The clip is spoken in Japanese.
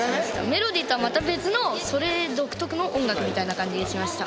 メロディーとはまた別のそれ独特の音楽みたいな感じがしました。